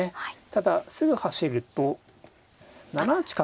ただすぐ走ると７八角成。